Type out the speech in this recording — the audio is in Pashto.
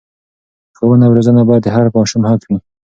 ښوونه او روزنه باید د هر ماشوم حق وي.